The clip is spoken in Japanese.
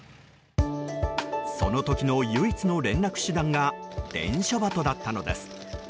その時の唯一の連絡手段が伝書鳩だったのです。